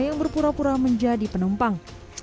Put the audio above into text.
yang berpura pura menjadi penumpang